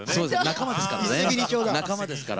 仲間ですから。